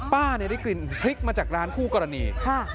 ได้กลิ่นพริกมาจากร้านคู่กรณี